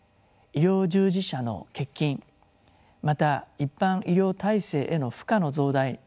医療従事者の欠勤また一般医療体制への負荷の増大